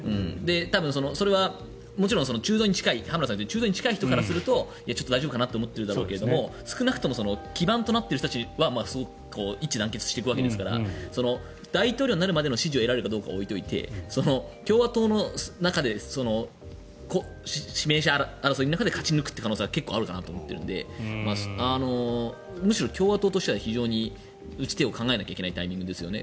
多分、それはもちろん中道に近い人からすると大丈夫かなってなるけど支持している人たちは一致団結しているわけですから大統領になるまでの支持を得られるかは置いておいて共和党の中で指名者争いの中で勝ち抜く可能性は結構あるかなと思っているのでむしろ共和党としては打ち手を考えないといけないタイミングですよね。